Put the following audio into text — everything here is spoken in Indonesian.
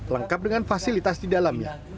lengkap dengan fasilitas di dalamnya